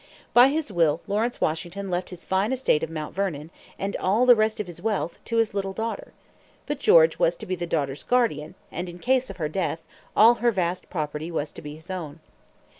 By his will Lawrence Washington left his fine estate of Mount Vernon, and all the rest of his wealth, to his little daughter. But George was to be the daughter's guardian; and in case of her death, all her vast property was to be his own.